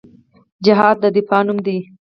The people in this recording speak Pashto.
جهاد د دفاع نوم دی